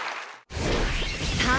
さあ